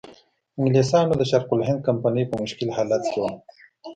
انګلیسانو د شرق الهند کمپنۍ په مشکل حالت کې وه.